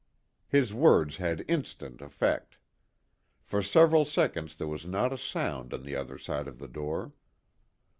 His words had instant effect. For several seconds there was not a sound on the other side of the door.